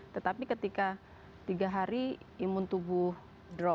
tetapi ketika tiga hari imun tubuh drop